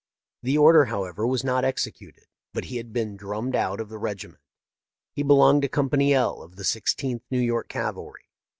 The order, however, was not executed, but he had been drummed out of the regiment. He belonged to Company L of the Sixteenth New York Cavalry.